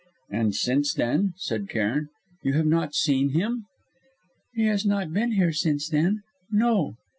"And since then," said Cairn, "you have not seen him?" "He has not been here since then no."